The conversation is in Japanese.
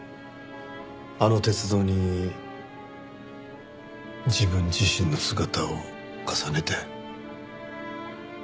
あの鉄道に自分自身の姿を重ねて？